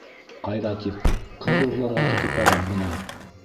— Ҡайҙа тип, ҡыҙ урларға китеп барам бына.